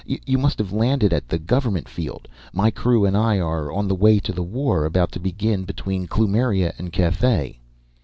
You must have landed at the government field. My crew and I are on the way to the war about to begin between Kloomiria and Cathay."